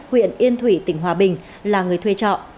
huyện yên thủy tỉnh hòa bình là người thuê trọ